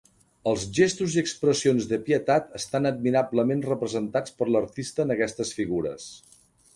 Els gestos i expressions de pietat estan admirablement representats per l'artista en aquestes figures.